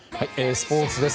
スポーツです。